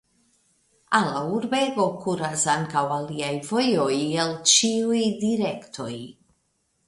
Al la urbego kuras ankaŭ aliaj vojoj el ĉiuj direktoj.